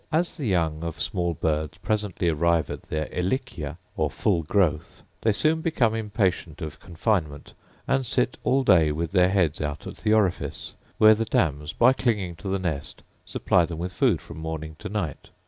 As the young of small birds presently arrive at their ἡλικία or full growth, they soon become impatient of confinement, and sit all day with their heads out at the orifice, where the dams, by clinging to the nest, supply them with food from morning to night.